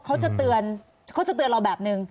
เขาจะเตือนเราแบบหนึ่ง